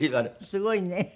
すごいね。